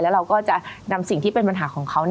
แล้วเราก็จะนำสิ่งที่เป็นปัญหาของเขา